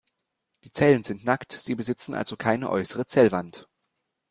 Die Zellen sind nackt, sie besitzen also keine äußere Zellwand.